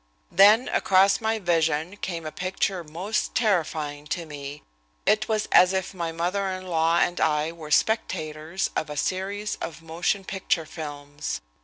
Then across my vision came a picture most terrifying to me. It was as if my mother in law and I were spectators of a series of motion picture films.